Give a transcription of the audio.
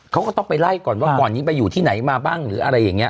เขาก็ต้องไปไล่ก่อนว่าก่อนนี้ไปอยู่ที่ไหนมาบ้างหรืออะไรอย่างนี้